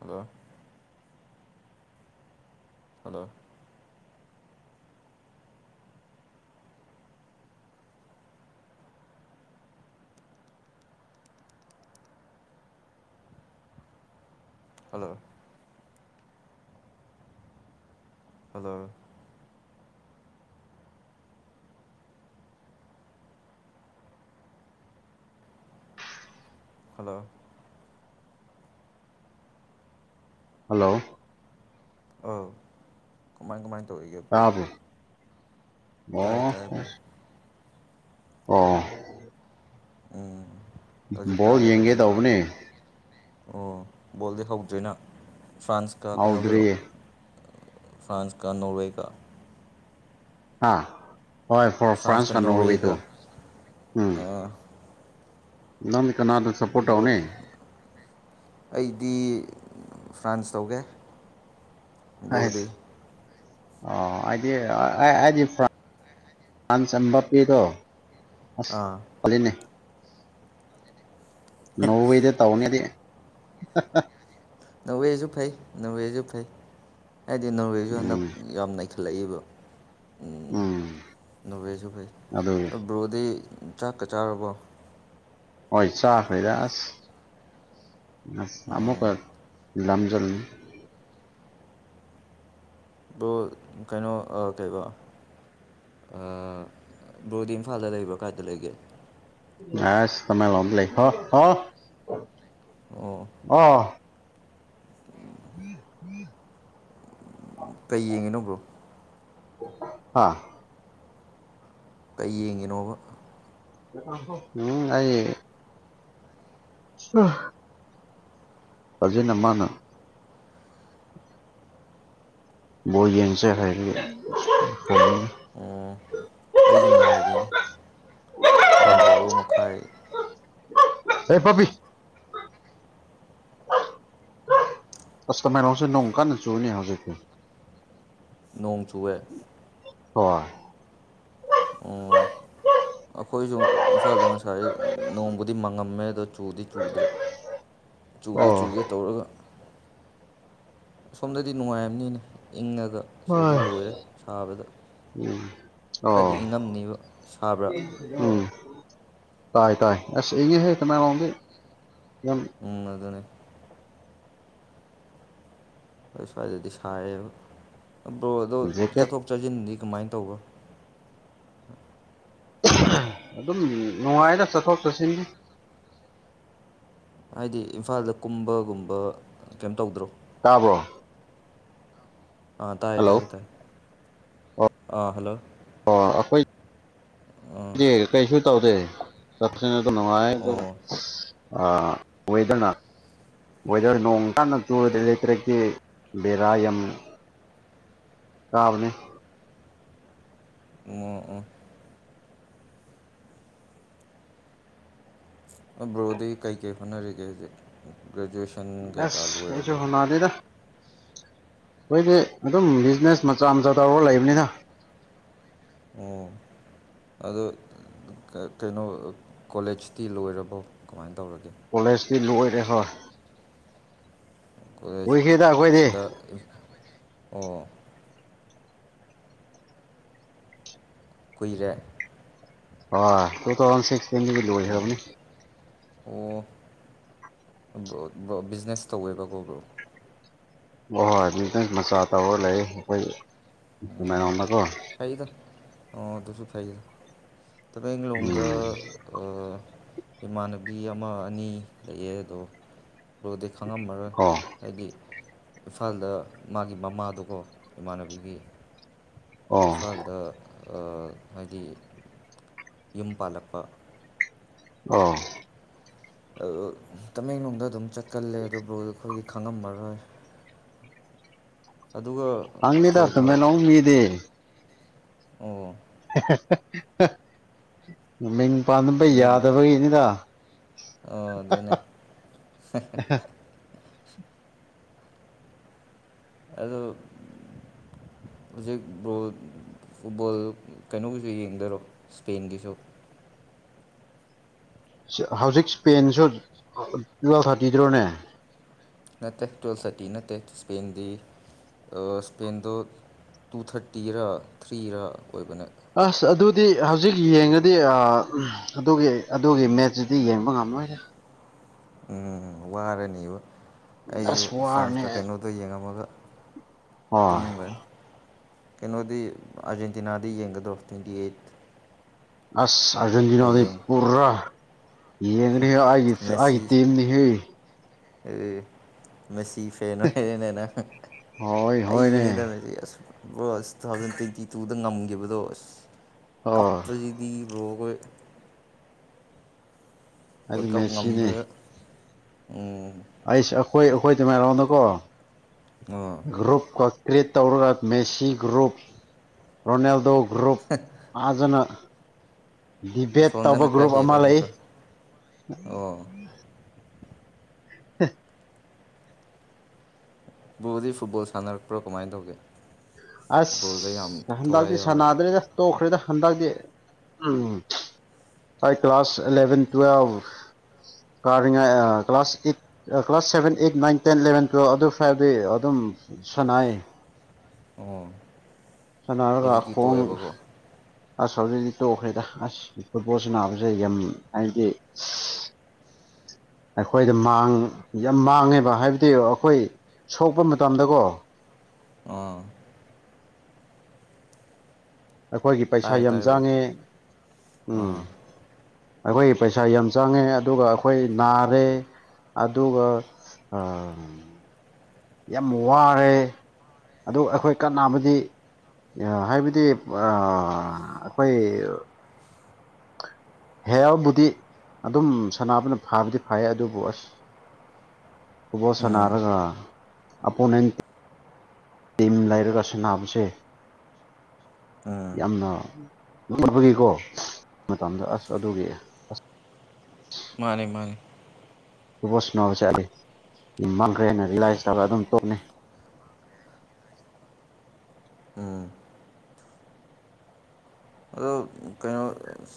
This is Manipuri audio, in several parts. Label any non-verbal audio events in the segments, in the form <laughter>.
hello hello hello hello hello hello ꯑꯧ ꯀꯃꯥꯏ ꯀꯃꯥꯏꯅ ꯇꯧꯔꯤꯒꯦꯕ꯭ꯔꯣ ꯋꯥ ꯑꯣ ꯎꯝ ꯍꯧꯖꯤꯛ ꯕꯣꯜ ꯇꯥꯔꯦ ꯌꯦꯡꯒꯦ ꯐꯖꯅ ꯇ ꯇꯥꯔꯦ ꯑꯅꯦ ꯑꯣ ꯕꯣꯜꯗꯤ ꯍꯧꯗ꯭ꯔꯤꯅ ꯐ꯭ꯔꯥꯟꯁꯀ ꯀꯩꯅꯣꯒꯤꯔꯣ ꯍꯧꯗ꯭ꯔꯤꯌꯦ ꯐ꯭ꯔꯥꯟꯁ ꯀ ꯅꯣꯔꯋꯦ ꯀ ꯑꯥ ꯍꯣꯏ ꯐꯣꯔ ꯐ꯭ꯔꯥꯟꯁ ꯐ꯭ꯔꯥꯟꯁꯀ ꯀꯅꯣꯋꯤꯗꯨ ꯅꯣꯔꯋꯦꯒ ꯎꯝ ꯑꯥ ꯂꯟꯗ ꯀꯅꯥꯗꯨ ꯁꯄꯣꯔꯠ ꯕ꯭ꯔꯣ ꯑꯧꯅꯦ ꯑꯩꯗꯤ ꯐ꯭ꯔꯥꯟꯁ ꯇꯧꯒꯦ ꯕ꯭ꯔꯣꯗꯤ ꯑ ꯑꯩꯗꯤ ꯑꯩꯗꯤ ꯐ꯭ꯔꯥꯟ ꯐ꯭ꯔꯥꯟꯁ ꯑꯝꯕꯞꯄꯤꯗꯣ ꯑꯁ ꯑꯥ ꯐꯅꯦ ꯅꯧ ꯋꯥꯖꯦꯗ ꯇꯎꯅꯦꯗꯤ ꯅꯣꯋꯦꯁꯨ ꯐꯩ ꯅꯣꯋꯦꯁꯨ ꯐꯩ ꯍꯥꯏꯗꯤ ꯅꯣꯋꯦꯁꯨ ꯍꯟꯗꯛ ꯎꯝ ꯌꯥꯝꯅꯈꯤ ꯍꯠꯂꯛꯏꯕ ꯎꯝ ꯅꯣꯚꯦꯜꯁꯨ ꯐꯩ ꯑꯗꯨ ꯕ꯭ꯔꯣꯗꯤ ꯆꯥꯛꯀ ꯆꯥꯔꯕꯣ ꯍꯣꯏ ꯆꯥꯈꯩꯗꯥꯁ ꯑ ꯑꯃꯃꯨꯀ ꯎꯝ, ꯂ ꯂꯝꯖꯜꯅꯤ ꯀꯦꯀꯣ ꯕꯣꯗꯤ ꯏꯝꯐꯥꯜꯗ ꯂꯩꯕ꯭ꯔꯣ ꯀꯥꯏꯗ ꯂꯩꯒꯦ ꯑꯁ ꯇꯃ ꯂꯝ ꯂꯩ ꯍ ꯑ ꯑꯣ ꯑꯣ ꯉꯤꯡ ꯉꯤꯡ ꯀꯩ ꯌꯦꯡꯉꯤꯅꯣ ꯕ꯭ꯔꯣ ꯑꯥ ꯀꯩ ꯌꯦꯡꯉꯤꯅꯣꯕ ꯆꯠꯊꯥꯡꯁꫭ ꯎꯝ ꯑꯩ ꯑꯥ ꯐꯥꯖꯩꯅ‌ꯦ ꯃꯥꯅ ꯕꯣꯟ ꯌꯦꯡꯁꯦ ꯍꯥꯏ ꯋꯧ ꯋꯧ ꯑꯩꯖꯨ ꯉꯥꯏꯔꯤꯅꯤ ꯄꯨꯡ ꯕꯥꯔꯣ ꯃꯈꯥꯏ ꯍꯩ ꯄꯥꯄꯤ ꯑꯁ ꯇꯃ‌ꯦꯡꯔꫭꯡꯁꯨ ꯅꯣꯡ ꯀꯥꯟꯅ ꯆꯨꯅꯦ ꯍꯧꯖꯤꯛꯇꯤ ꯅꯣꯡ ꯆꯨꯋ‌ꯦ ꯍꫭ ꯑꯨꯡ ꯑꯩꯈꯣꯏꯁꯨ ꯏꯝꯐꯥꯜꯗ ꯉꯁꯥꯏ ꯅꯣꯡꯕꯨꯗꯤ ꯃꯪꯉꯝꯃꯦ ꯑꯗꯣ ꯆꯨꯗꯤ ꯆꯨꯗ꯭ꯔꯦ ꯆꯨꯒꯦ ꯆꯨꯒꯦ ꯇꯧꯔꯒ ꯁꯣꯝꯗꯗꯤ ꯅꯨꯡꯉꯥꯏꯔꯝꯅꯤꯅꯦ ꯏꯪꯉꯥꯒ ꯁꯤꯗꯗꯤ ꯍꯣꯏ ꯂꯣꯏꯔꯦ ꯁꯥꯕꯗ ꯈꯔꯗꯤ ꯑꯥ ꯏꯪꯉꯝꯅꯤꯕ ꯁꯥꯕ꯭ꯔꯥ ꯎꯝ ꯇꯥ ꯇꯥ ꯑꯁ ꯏ ꯉꯩꯍ‌ꯦ ꯀꯥꯅ ꯑꫭꯡꯕꯤ ꯎꯝ ꯑꯗꯨꯅ‌ꯦ ꯑꯩ ꯁ꯭ꯋꯥꯏꯗꯗꯤ ꯁꯥꯏꯕ ꯑꯗꯨ ꯑꯗꯣ ꯖꯦꯀꯦꯠ ꯆꯠꯊꯣꯛ ꯆꯠꯁꯤꯟꯗꯤ ꯀꯃꯥꯏꯅ ꯇꯧꯕ ꯑꯍꯨꯝ ꯑꯗꯨꯝ ꯅꯨꯡꯉꯥꯏꯗ ꯆꯠꯊꯣꯛ ꯆꯠꯁꯤꯟꯒꯤ ꯍꯥꯏꯗꯤ ꯏꯝꯐꯥꯜꯗ ꯀꯨꯝꯕꯒꯨꯝꯕ ꯀꯩꯝ ꯇꯧꯗ꯭ꯔꯣ ꯇꯥꯕꯔꫭ ꯑꯥ ꯇꯥꯏꯌꯦ ꯇꯥꯏꯌ‌ꯦ ꯇꯥꯏꯌ‌ꯦ ꯑꯥ ꯍꯜꯂꯣ ꯑꯥ ꯑꯥ ꯑꯩꯈꯣꯏꯗꯤ ꯀꯔꯤꯁꯨ ꯇꯧꯗꯦ ꯆꯠ ꯑꯗꯨꯝꯅꯨꯉꯥꯥ ꯑꯗꯨ ꯑꯥ ꯑꯣ ꯑꯥ ꯋꯦꯗꯔꯅ ꯋꯦꯗꯔ ꯅꯣꯡ ꯀꯥꯟꯅ ꯆꯨꯗ꯭ꯔ ꯂꯩꯇ꯭ꯔ‌ꯦ ꯀ‌ꯦ ꯕꯦꯔꯥ ꯌꯥꯝ ꯇꯥꯕꯅꯦ ꯑꯣ ꯑꯣ ꯑ ꯕ꯭ꯔꯣꯗꯤ ꯀꯩ ꯀꯩ ꯍꯣꯠꯅꯔꯤꯒꯦ ꯍꯥꯖꯤꯛ ꯒ꯭ꯔꯦꯖꯨꯑꯦꯁꯟ ꯀꯩꯀꯥ ꯑꯁ ꯀꯩꯁꯨ ꯂꯣꯏꯔꯥꯕ꯭ꯔꯣ ꯍꯣꯠꯅꯗꯦꯗ ꯑꯩꯈꯣꯏꯗꯤ ꯑꯗꯨꯝ ꯕꯤꯖꯤꯅꯦꯁ ꯃꯆꯥ ꯃꯆꯥ ꯇꯧꯔꯒ ꯂꯩꯕꯅꯤꯗ ꯑꯣ ꯑꯗꯣ ꯀꯩꯅꯣ ꯀꯣꯂꯦꯖꯇꯤ ꯂꯣꯏꯔꯕꯣ ꯀꯃꯥꯏ ꯇꯧꯔꯒꯦ ꯀꯣꯂꯦꯖꯇꯤ ꯂꯣꯏꯔꯦ ꯍꯥ ꯀꫭꯂ‌ꯦꯖ ꯁꯤꯗꯥꯥ ꯑꯣ ꯀꯨꯏꯔꯦ ꯑꯥ ꯇꯨꯊꯥꯎꯖꯟ ꯁꯤꯛꯇꯤꯟꯒꯤ ꯑꯣ ꯂꫭꯒ꯭ꫪꯕꯅꯤ ꯑꯣ ꯑꫭ ꯕ꯭ꯔꫭ ꯕꯤꯖꯤꯅꯦꯁ ꯇꯧꯋꯦꯕꯀꯣꯕ꯭ꯔꯣ ꯍꫭꯏ ꯍꯣꯏ ꯕꯤꯖꯤꯅ‌ꯦꯁ ꯃꯆꯥ ꯇꯧꯔ ꯂꯩꯌ‌ꯦ ꯑꯩꯈꯣꯏ ꯃꯌꯥꯝꯅꯀꯣ ꯐꯩꯗ ꯑꯣ ꯑꯗꯨꯁꯨ ꯐꯩꯌ‌ꯦ ꯇꯃꯦꯡꯂꯣꯡꯗ ꯎꯝ ꯑꯥ ꯏꯃꯥꯟꯅꯕꯤ ꯑꯃ ꯑꯅꯤ ꯂꯩꯌꯦ ꯑꯗꯣ ꯕ꯭ꯔꫭꯗꯤ ꯈꯪꯉꯝꯃꯔꯣꯏ ꯑꯣ ꯍꯥꯏꯗꯤ ꯏꯝꯐꯥꯜꯗ ꯃꯥꯒꯤ ꯃꯃꯥꯗꫭꯀꯣ ꯏꯃꯥꯟꯅꯕꯤꯒꯤ ꯑꯣ ꯏꯝꯐꯥꯜꯗ ꯍꯥꯏꯗꯤ ꯌꯨꯝ ꯄꯥꯜꯂꯛꯄ ꯑꫭ ꯑꯥꯑꯛ ꯇꯃꯦꯡꯂꯣꯡꯗ ꯑꯗꯨꯝ ꯆꯠꯀꯜꯂꯦ ꯑꯗꫭ ꯕ꯭ꫪꫭ ꯈꫪꯗꯤ ꯈꯪꯉꯝꯃꯔꯣꯏ ꯑꯗꯨꯒ ꯍꯥꯡꯅꯤꯗꯥ ꯀꯩꯕ ꯇꯃ‌ꯦꯡꯂꫭꯡ ꯃꯤꯗꯤ ꯑꯣ, ꯍꯦ ꯍꯦ ꯍ ꯍ ꯃꯤꯡ ꯄꯥꯟꯕ ꯌꯥꯗꯕꯒꯤꯅꯤꯗ ꯑꯣ ꯑꯗꯨꯅꯦ ꯍꯦ ꯍꯦ ꯍ ꯑꯗꯣ ꯍꯨꯖꯤꯛ ꯕ꯭ꯔꯣ ꯐꯨꯠꯕꯣꯜ ꯀꯩꯅꯣꯒꯤꯁꯨ ꯌꯦꯡꯗꯔꯣ ꯁ꯭ꯄꯦꯟꯒꯤꯁꯨ ꯁꯤ ꯍꯧꯖꯤꯛ ꯏꯁꯄꯦꯟꯁꯨ ꯇꯨꯋꯦꯜ ꯊꯥꯇꯤꯗ꯭ꯔꯣꯅꯦ ꯅꯠꯇꯦ ꯇꯨꯋꯦꯜꯞ ꯊꯇꯤ ꯅꯠꯇꯦ ꯏꯁꯄꯦꯟꯗꯤ ꯑ ꯁ꯭ꯄꯦꯟꯗꯣ ꯇꯨ ꯊꯥꯇꯤꯔꯥ ꯊ꯭ꯔꯤꯔ ꯑꯣꯏꯕꯅꯦ ꯑꯁ ꯑꯗꯨꯗꯤ ꯍꯧꯖꯤꯛ ꯌꯦꯡꯉꯗꯤ ꯑ ꯎꯝ ꯑꯗꯨꯒꯤ ꯑꯗꯨꯒꯤ ꯃꯦꯠꯁꯤꯗꯤ ꯌꯦꯡꯕ ꯉꯝ ꯃꯥꯏꯅ ꯎꯝ ꯋꯥꯔꯅꯤꯕ ꯑꯩꯁꯨ ꯑꯁ ꯋꯥꯔꯅꯤ ꯐ꯭ꯔꯥꯟꯁꯀ ꯀꯩꯅꯣꯗꯣ ꯌꯦꯡꯉꯝꯃꯒ ꯍꯣꯏ ꯇꯨꯝꯒꯔꯟ ꯀꯩꯅꯣꯗꯤ ꯑꯖꯦꯟꯇꯤꯅꯥꯗꯤ ꯌꯦꯡꯒꯗ꯭ꯔꯣ ꯇ꯭ꯋꯦꯟꯇꯤ ꯑꯩꯠ ꯑꯁ ꯑꯔꯖꯦꯟꯇꯤꯅꯥꯗꯤ ꯍꯌꯦꯡ ꯄꯨꯔꯥ ꯌꯦꯡꯒꯅꯤꯗ ꯑꯩꯒꯤ ꯑꯩꯒꯤ ꯇꯤꯝꯅꯦꯍꯦ ꯍꯦ ꯃꯦꯁꯤ ꯐꯦꯟ ꯑꯣꯏꯔꯦꯅꯦꯅꯪ ꯍꯣꯏ ꯍꯣꯏꯅꯦ ꯑꯩꯁꯨꯅꯤꯗ ꯃꯦꯁꯤ ꯑꯁ ꯕ꯭ꯔꯣ ꯑꯁ ꯇꯨ ꯊꯥꯎꯖꯟ ꯇ꯭ꯋꯦꯟꯇꯤ ꯇꯨꯗ ꯉꯝꯒꯤꯕꯗꯣ ꯑꯁ ꯍꯣꯏ ꯀꯞꯄꯁꯤꯗꯤ ꯕ꯭ꯔꯣ ꯑꯩꯈꯣꯏ ꯑꯩꯗꯤ ꯋꯥꯜꯀꯞ ꯉꯝꯕꯗ ꯎꯝ ꯑꯩꯁꯨ ꯑꯩꯈꯣꯏ ꯑꯩꯈꯣꯏ ꯇꯃꯥꯏꯔꯣꯡꯗꯀꯣ ꯑꯣ ꯒ꯭ꯔꯨꯞꯀ ꯀ꯭ꯔꯤꯌꯦꯠ ꯇꯧꯔꯒ ꯃꯦꯁꯤ ꯒ꯭ꯔꯨꯞ ꯔꯣꯅꯥꯜꯗꯣ ꯒ꯭ꯔꯨꯞ ꯐꯖꯅ ꯗꯤꯕꯦꯠ ꯇꯧꯕ ꯑꯁꯣꯝꯗꯅ ꯈꯔ ꯒ꯭ꯔꯨꯞ ꯑꯃ ꯂꯩ ꯍꯦꯜꯂꯦꯅꯦꯀꯣ ꯑꯣ ꯍ ꯕ꯭ꯔꯣꯗꯤ ꯐꯨꯠꯕꯣꯜ ꯁꯥꯟꯅꯔꯛꯄ꯭ꯔꯣ ꯀꯃꯥꯏꯟ ꯇꯧꯒꯦ ꯐꯨꯠꯕꯣꯜꯗ ꯌꯥꯝ ꯑꯁ ꯊꯋꯥꯏ ꯍꯟꯗꯛꯇꯤ ꯌꯥꯎꯋꯦ ꯁꯥꯟꯅꯗ꯭ꯔꯦꯗ ꯇꯣꯛꯈ꯭ꯔꯦꯗ ꯍꯟꯗꯛꯇꯝ ꯎꯝ ꯑꯩ ꯀ꯭ꯂꯥꯁ ꯑꯦꯂꯚꯦꯟ ꯇꯨꯋꯦꯜꯞ ꯀꯥꯔꯤꯉꯩ ꯑ ꯀ꯭ꯂꯥꯁ ꯏꯠ ꯑ class seven eight nine ten eleven twelve ꯑꯗꯨ ꯐꯥꯎꯗꯤ ꯑꯗꯨꯝ ꯁꯥꯅꯩ ꯑꯣ ꯁꯥꯅꯔꯒ ꯍꯧꯖꯤꯛꯇꯤ ꯈꯣꯡ ꯇꯣꯛꯑꯦꯕꯀꯣ ꯑꯁ ꯍꯧꯖꯤꯛꯇꯤ ꯇꯣꯛꯈ꯭ꯔꯦꯗ ꯑꯁ ꯐꯨꯠꯕꯣꯜ ꯁꯥꯅꯕꯁꯦ ꯌꯥꯝ ꯍꯥꯏꯗꯤ ꯑꯩꯈꯣꯏꯗ ꯃꯥꯡ ꯌꯥꯝ ꯃꯥꯡꯉꯦꯕ ꯍꯥꯏꯕꯗꯤ ꯑꯩꯈꯣꯏ ꯁꯣꯛꯄ ꯃꯇꯝꯗꯀꯣ ꯑꯥ ꯑꯩꯈꯣꯏꯒꯤ ꯄꯩꯁꯥ ꯇꯥꯔꯦ ꯌꯥꯝ ꯇꯥꯔꯦ ꯕ꯭ꯔꯣ ꯆꯥꯡꯉꯦ ꯎꯝ ꯑꯥ ꯑꯩꯈꯣꯏꯒꯤ ꯄꯩꯁꯥ ꯌꯥꯝ ꯆꯪꯉꯦ ꯑꯗꯨꯒ ꯑꯩꯈꯣꯏ ꯅꯥꯔꯦ ꯑꯗꯨꯒ ꯑꯝ ꯌꯥꯝ ꯋꯥꯔꯦ ꯑꯗꯨ ꯑꯩꯈꯣꯏ ꯀꯥꯟꯅꯕꯗꯤ ꯑ ꯍꯥꯏꯕꯗꯤ ꯑꯥ ꯑꯩꯈꯣꯏ ꯍꯦꯑꯕꯨꯗꯤ ꯑꯗꯨꯝ ꯁꯥꯟꯅꯕꯅ ꯐꯕꯨꯗꯤ ꯐꯩꯌꯦ ꯑꯗꯨꯕꯨ ꯑꯁ <inaudible> ꯐꯨꯕꯣꯜ ꯎꯝ ꯁꯅꯥꯔꯒ ꯑꯄꯣꯅꯦꯟ ꯇꯤꯝ ꯂꯩꯔꯒ ꯁꯨꯅꯥꯕꯁꯦ ꯎꯝ ꯌꯥꯝꯅ ꯂꯕꯒꯤꯀꯣ ꯃꯇꯝꯗ ꯑꯁ ꯑꯗꯨꯒꯤ ꯑꯁ ꯃꯥꯅꯤ ꯃꯥꯅꯤ ꯐꯨꯕꯣꯜ ꯁꯥꯟꯅꯕ ꯆꯠꯂꯦ ꯃꯥꯡꯈ꯭ꯔꯦꯅ ꯔꯤꯂꯥꯏꯁ ꯇꯧꯔꯒ ꯑꯗꯨꯝ ꯇꯨꯝꯃꯦ ꯎꯝ ꯑꯗꯣ ꯀꯩꯅꯣ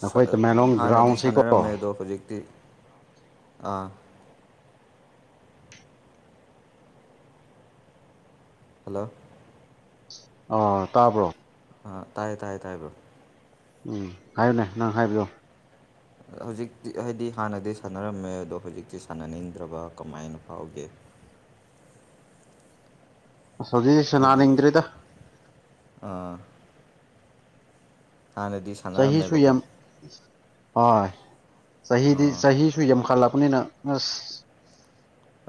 ꯑꯩꯈꯣꯏ ꯇꯃꯦꯡꯂꯣꯡ ꯍꯥꯟꯅꯗꯤ ꯒ꯭ꯔꯥꯎꯟꯁꯤꯀꯣ ꯁꯥꯟꯅꯔꯝꯃꯦ ꯑꯗꯣ ꯍꯧꯖꯤꯛꯇꯤ ꯑꯥ ꯍꯜꯂꯣ ꯑ ꯇꯥꯕ꯭ꯔꯣ ꯑꯥ ꯇꯥꯏꯌꯦ ꯇꯥꯏꯌꯦ ꯇꯥꯏ ꯕ꯭ꯔꯣ ꯎꯝ ꯍꯥꯏꯌꯨꯅꯦ ꯅꯪ ꯍꯥꯏꯕꯤꯌꯣ ꯍꯧꯖꯤꯛꯇꯤ ꯍꯥꯏꯗꯤ ꯍꯥꯟꯅꯗꯤ ꯁꯥꯟꯅꯔꯝꯃꯦ ꯑꯗꯣ ꯍꯧꯖꯤꯛꯇꯤ ꯁꯥꯟꯅꯅꯤꯡꯗ꯭ꯔꯕ ꯀꯃꯥꯏꯅ ꯐꯥꯎꯒꯦ <inaudible> ꯁꯖꯤꯁꯤ ꯍꯥꯏꯗꯤ ꯁꯅꯥꯅꯤꯡꯗ꯭꯭ꯔꯔꯤꯗ ꯑꯥ ꯍꯥꯟꯅꯗꯤ ꯁꯍꯤꯁꯨꯨ ꯁꯥꯟꯅꯔꯝꯃꯦꯕꯀꯣ ꯌꯝ ꯍꯣꯏ ꯆꯍꯤꯗꯤ ꯑꯥ ꯆꯍꯤꯁꯨ ꯌꯥꯝꯈꯠꯂꯛꯄꯅꯤꯅ ꯑꯁ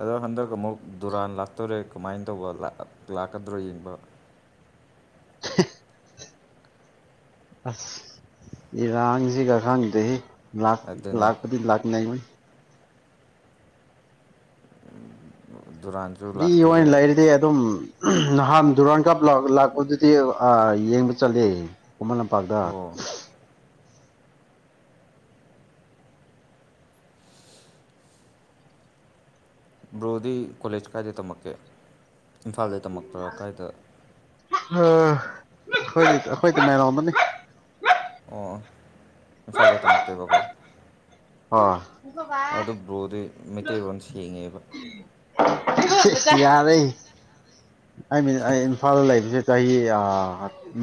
ꯑꯗꯣ ꯍꯟꯗꯛ ꯑꯃꯨꯛ ꯗꯨꯔꯥꯟ ꯂꯥꯛꯇꯣꯔꯦ ꯀꯃꯥꯏꯅ ꯇꯧꯕ ꯂꯥꯛꯀꯗ꯭ꯔꯣ ꯌꯦꯡꯕ <inaudible> ꯑꯁ ꯏꯔꯁꯤꯒ ꯈꯥꯡꯒꯗꯁꯤ ꯂꯥꯛ ꯑꯗꯨꯅꯦ ꯂꯥꯛ ꯀꯗꯤ ꯂꯥꯛ ꯅ ꯃ ꯗꯨꯔꯥꯟꯁꯨ ꯐꯔꯤ ꯂꯥꯛꯇꯣꯔꯦ ꯑꯣꯏꯅ ꯂꯩꯔꯗꯤ ꯑꯗꯨꯝ ꯅꯍꯥꯟ ꯗꯨꯔꯥꯟ ꯀꯥꯞ ꯂꯥꯛꯄꯗꯨꯗꯤ ꯌꯦꯡꯕ ꯆꯠꯂꯦ ꯈꯨꯃꯟ ꯂꯝꯄꯥꯛꯇ ꯑꯣ ꯕ꯭ꯔꯣꯗꯤ ꯀꯣꯂꯦꯖ ꯀꯥꯏꯗ ꯇꯝꯃꯛꯀꯦ ꯏꯝꯐꯥꯜꯗ ꯇꯝꯃꯛꯄ ꯀꯥꯏꯗ ꯑ ꯑꯩꯈꯣꯏꯗꯤ ꯑꯩꯈꯣꯏꯗꯤ ꯃꯔꯣꯗꯅꯤ ꯑꯣ ꯏꯝꯐꯥꯜꯗ ꯇꯝꯃꯛꯇꯣꯏꯔꯤꯕꯀꯣ ꯍ ꯑꯗꯨ ꯕ꯭ꯔꯣꯗꯤ ꯃꯩꯇꯩꯔꯣꯟ ꯁꯦꯡꯉꯦꯕ ꯌꯥꯗ ꯑꯩ ꯃꯤ ꯑꯩ ꯏꯝꯐꯥꯜꯗ ꯂꯩꯕꯁꯦ ꯆꯍꯤ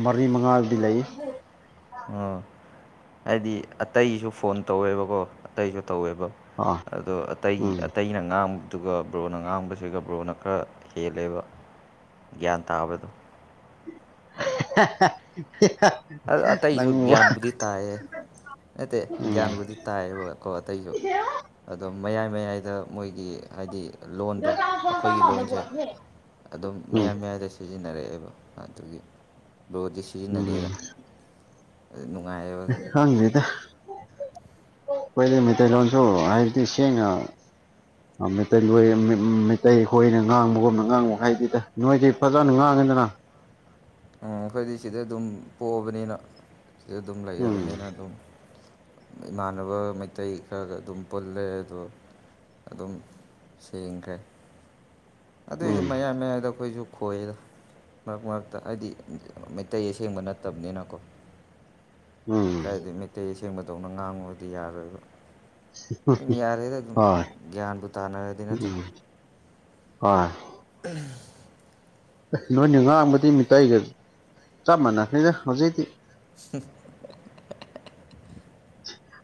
ꯃꯔꯤ ꯃꯉꯥꯗꯤ ꯂꯩ <inaudible> ꯍꯥꯏꯗꯤ ꯑꯇꯩꯁꯨ ꯐꯣꯟ ꯇꯧꯋꯦꯕꯀꯣ ꯑꯇꯩꯁꯨ ꯇꯧꯋꯦꯕ ꯑꯥ ꯑꯗꯣ ꯑꯇꯩꯒꯤ ꯎꯝ ꯑꯇꯩꯅ ꯉꯥꯡ ꯑꯗꯨꯒꯥ ꯕ꯭ꯔꯣꯅ ꯉꯥꯡꯕꯁꯤꯒ ꯕ꯭ꯔꯣꯅꯥ ꯈꯔ ꯍꯦꯜꯂꯦꯕꯥ ꯒ꯭ꯌꯥꯟ ꯇꯥꯕꯗꯣ ꯑꯇꯩꯁꯨ ꯅꯪ ꯋꯥ ꯒ꯭ꯌꯥꯟꯕꯨꯗꯤ ꯇꯥꯏꯌꯦ ꯅꯠꯇꯦ ꯒ꯭ꯌꯥꯟꯕꯨꯗꯤ ꯇꯥꯏꯌꯦꯕꯀꯣ ꯑꯇꯩꯁꯨ ꯑꯗꯨꯝ ꯃꯌꯥꯏ ꯃꯌꯥꯏꯗ ꯃꯣꯏꯒꯤ ꯍꯥꯏꯗꯤ ꯂꯣꯟꯗꯣ ꯑꯩꯈꯣꯏꯒꯤ ꯂꯣꯟꯁꯦ ꯑꯗꯨꯝ ꯃꯌꯥꯏ ꯎꯝ ꯃꯌꯥꯏꯗ ꯁꯤꯖꯤꯟꯅꯩ ꯁꯤꯟꯅꯔꯛꯑꯦꯕꯥ ꯑꯗꯨꯒꯤ ꯂꯣꯗꯤ ꯁꯤꯖꯤꯟꯅꯗꯦꯗꯥ ꯈꯪꯗ‌ꯦꯗꯥ ꯈ‌ꯣꯏꯗꯤ ꯃꯤꯇꯏ ꯂꯥꯎꯁꯨꯣ ꯍꯥꯏꯏꯗꯤ ꯁꯦꯡꯅꯥ ꯃꯩꯈꯣꯏꯅ ꯉꯥꯡꯕꯒꯨꯝꯅ ꯉꯥꯡꯕ ꯃꯈꯩꯗꯤꯗ ꯅꯣꯏꯗꯤ ꯐꯖꯅ ꯉꯥꯡꯉꯦ ꯀꯗꯅ ꯑꯣ ꯎ ꯑꯩꯈꯣꯏꯗꯤ ꯁꯤꯗ ꯑꯗꯨꯝ ꯄꯣꯛꯑꯕꯅꯤꯅ ꯁꯤꯗ ꯑꯗꯨꯝ ꯎꯝ ꯂꯩꯔꯕꯅꯤꯅ ꯑꯗꯨꯝ ꯏꯃꯥꯟꯅꯕ ꯃꯩꯇꯩ ꯈꯔꯒ ꯑꯗꯨꯝ ꯄꯨꯜꯂꯦ ꯑꯗꯣ ꯑꯗꯨꯝ ꯁꯦꯡꯈ꯭ꯔꯦ ꯑꯗꯨꯏꯁꯨ ꯎꯝ ꯃꯌꯥꯏ ꯃꯌꯥꯏꯗ ꯑꯩꯈꯣꯏꯁꯨ ꯈꯣꯏꯌꯦꯗ ꯍꯥꯏꯗꯤ ꯃꯩꯇꯩ ꯑꯁꯦꯡꯕ ꯅꯠꯇꯕꯅꯤꯅꯀꯣ ꯎꯝ ꯀꯥꯏꯗ ꯃꯩꯇꯩ ꯑꯁꯦꯡꯕꯗꯧꯅ ꯉꯥꯡꯕꯗꯤ ꯌꯥꯔꯣꯏꯕ ꯌꯔꯦꯗꯥ ꯗꯨꯝ ꯍꯣꯏ ꯒꯌꯟꯕꯨ ꯇꯥꯅꯔꯗꯤ ꯅꯠꯇꯔꯥ ꯍ ꯎꯝ ꯅꯣꯏꯅ ꯉꯥꯡꯕꯗꯤ ꯃꯤꯇꯩꯒ ꯆꯞ ꯃꯥꯟꯅꯈꯅꯤꯅ ꯍꯧꯖꯤꯛꯇꯤ ꯎ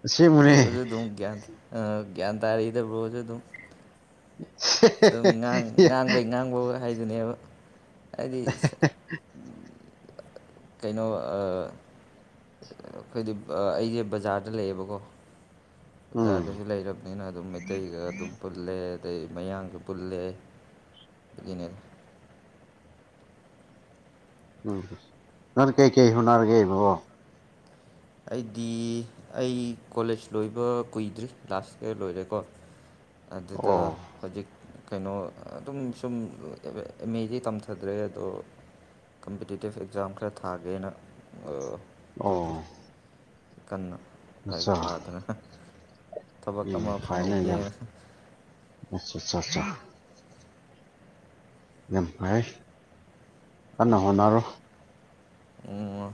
ꯑꯁꯦꯡꯕꯅꯦ ꯔꯣꯖ ꯑꯗꯨ ꯒꯌ꯭ꯥꯟ ꯇꯥꯔꯤꯗ ꯔꯣꯖ ꯑꯗꯨ ꯑꯗꯨꯝꯥꯡ ꯉꯥꯡꯕꯩ ꯉꯥꯡꯕ ꯍꯥꯏꯗꯨꯅꯦꯕ ꯍꯥꯏꯗꯤ ꯀꯩꯅꯣ ꯑꯩꯈꯣꯏꯗꯤ ꯑꯩꯁꯦ ꯕꯖꯥꯔꯗ ꯂꯩꯌꯦꯕꯀꯣ ꯎꯝ ꯕꯖꯥꯔꯗꯁꯨ ꯂꯩꯔꯕꯅꯤꯅ ꯑꯗꯨꯝ ꯃꯩꯇꯩꯒ ꯑꯗꯨꯝ ꯄꯨꯜꯂꯦ ꯑꯗꯩ ꯃꯌꯥꯡꯒꯤ ꯕꯨꯜꯂꯦꯅꯦ ꯎ ꯅꯅ ꯀꯩ ꯀꯩ ꯍꯅꯔꯒꯦꯕꯕꯣ ꯑꯩꯗꯤ ꯑꯩ ꯀꯣꯂꯦꯖ ꯂꯣꯏꯕ ꯀꯨꯏꯗ꯭ꯔꯤ ꯂꯥꯁꯀ ꯂꯣꯏꯔꯦꯀꯣ ꯑꯗꯨꯗ ꯑꯣ ꯍꯧꯖꯤꯛ ꯀꯩꯅꯣ ꯑꯗꯨꯝ ꯁꯨꯝ ꯑꯦꯝ ꯑꯦꯗꯤ ꯇꯝꯊꯗ꯭ꯔꯦ ꯑꯗꯣ ꯀꯝꯄꯤꯇꯤꯇꯤꯞ ꯑꯦꯛꯖꯥꯝ ꯈꯔ ꯊꯥꯒꯦꯅ ꯇꯧꯈꯤ ꯑꯣ ꯀꯟꯅ ꯂꯥꯏ ꯑꯠꯆꯥ ꯄꯥꯗꯅ ꯊꯕꯛ ꯎꯝ ꯑꯃ ꯐ ꯂꯩ ꯌꯥ ꯐꯪꯍꯧꯒꯦꯅ ꯑ ꯑ ꯌꯥꯝ ꯐꯩ ꯀꯟꯅ ꯍꯣꯠꯅꯔꯣ ꯑꯣ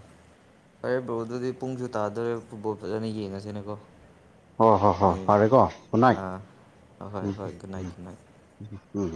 ꯐꯔꯦ ꯕ꯭ꯔꯣ ꯑꯗꯨꯗꯤ ꯄꯨꯡꯁꯨ ꯇꯥꯗꯣꯔꯦ ꯐꯨꯠꯕꯣꯜ ꯐꯖꯅ ꯌꯦꯡꯉꯁꯤꯅꯦꯀꯣ ꯑꯣ ꯍꯣ ꯍꯣ ꯃꯤꯅꯤꯠ ꯄꯔꯦꯒꯣ ꯈꯨꯅꯥꯥꯏ ꯑꯥ ꯍꯣꯏ ꯍꯣꯏ ꯒꯨꯗ ꯅꯥꯏꯠ ꯎꯝꯝ ꯒꯨꯗ ꯅꯥꯏꯠ ꯎꯝ